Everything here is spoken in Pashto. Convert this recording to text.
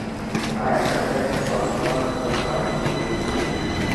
آیا کارګر په پانګوال خپل کار پلوري که نه